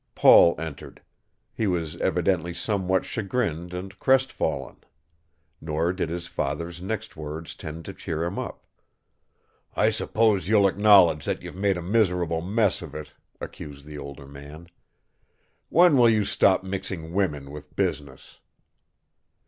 Paul entered. He was evidently somewhat chagrined and crestfallen. Nor did his father's next words tend to cheer him up. "I suppose you'll acknowledge that you've made a miserable mess of it," accused the older man. "When will you stop mixing women with business?"